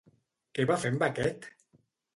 Què va fer amb aquest?